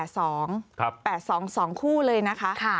๘๒สองคู่เลยนะคะ